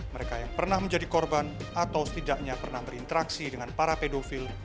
mereka yang pernah menjadi korban atau setidaknya pernah berinteraksi dengan para pedofil